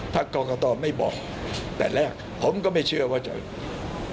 ครับกศตราไม่บอกแต่แรกผมก็ไม่เชื่อว่ามีใครกล้าเอาไป